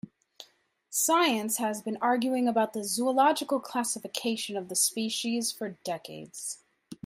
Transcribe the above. Science has been arguing about the zoological classification of the species for decades.